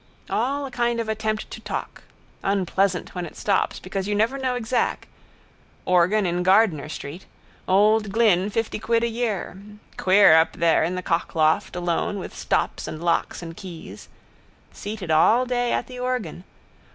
All a kind of attempt to talk. Unpleasant when it stops because you never know exac. Organ in Gardiner street. Old Glynn fifty quid a year. Queer up there in the cockloft, alone, with stops and locks and keys. Seated all day at the organ.